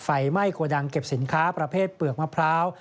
ไฟไหม้โกดังเก็บสินค้าประเภทเปลือกมะพร้าว